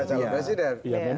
kalau presiden itu salah